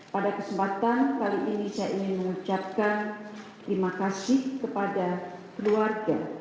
pada kesempatan kali ini saya ingin mengucapkan terima kasih kepada keluarga